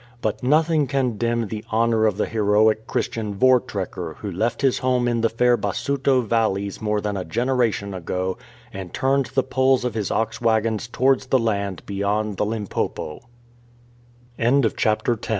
But nothing can dim the honour of the heroic Christian " Vortrekker'' who left his home in the fair Basuto valleys more than a generation ago, and turned the poles of his ox waggons towards the land beyo